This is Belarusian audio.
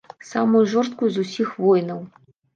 Самую жорсткую з усіх войнаў.